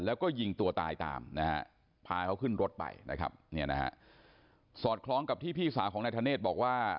แล้วก็ยิงตัวตายตามนะฮะพาเขาขึ้นรถไปนะครับเนี่ยนะฮะสอดคล้องกับที่พี่สาวของนายธเนธบอกว่า